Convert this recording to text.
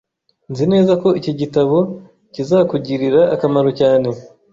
Nzi neza ko iki gitabo kizakugirira akamaro cyane.